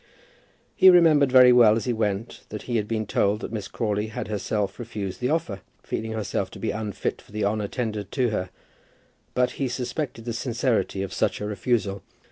He remembered very well as he went, that he had been told that Miss Crawley had herself refused the offer, feeling herself to be unfit for the honour tendered to her; but he suspected the sincerity of such a refusal.